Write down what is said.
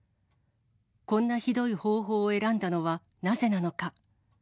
こんなひどい方法を選んだのはなぜなのか。